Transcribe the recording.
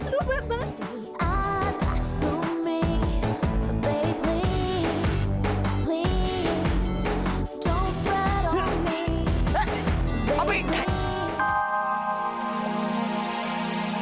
lu banyak banget